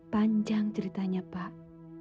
panjang ceritanya pak